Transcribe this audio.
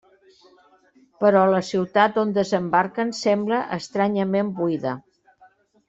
Però la ciutat on desembarquen sembla estranyament buida.